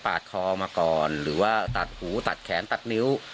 คอมาก่อนหรือว่าตัดหูตัดแขนตัดนิ้ว